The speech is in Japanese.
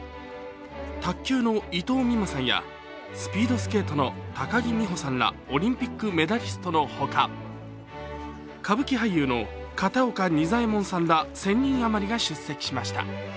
卓球の伊藤美誠さんやスピードスケートの高木美帆さんらオリンピックメダリストのほか、歌舞伎俳優の片岡仁左衛門さんら１０００人余りが出席しました。